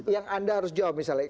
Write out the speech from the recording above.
yang anda harus jawab misalnya